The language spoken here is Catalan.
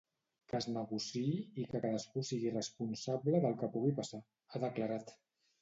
Que es negociï i que cadascú sigui responsable del que pugui passar, ha declarat.